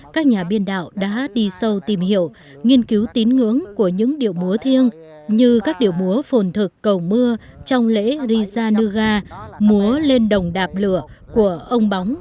các nhà biên đạo đã đi sâu tìm hiểu nghiên cứu tín ngưỡng của những điệu múa thiêng như các điệu múa phồn thực cầu mưa trong lễ rizanuga múa lên đồng đạp lửa của ông bóng